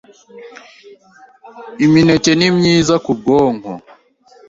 Imineke ni myiza ku bwonko,